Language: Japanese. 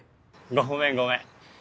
ごめんごめん。